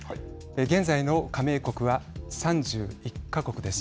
現在の加盟国は３１か国です。